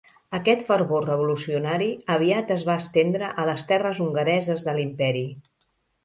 Aquest fervor revolucionari aviat es va estendre a les terres hongareses de l'Imperi.